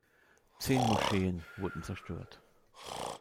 Zehn Moscheen wurden zerstört.